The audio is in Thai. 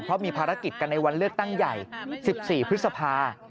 เพราะมีภารกิจกันในวันเลือกตั้งใหญ่๑๔พฤษภา